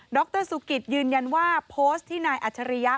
ดรศูกริษฐ์ยืนยันว่าโพสต์ที่นายอัจารยา